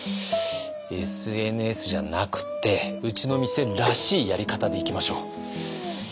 ＳＮＳじゃなくてうちの店らしいやり方でいきましょう。